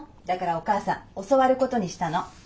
だからお母さん教わることにしたの。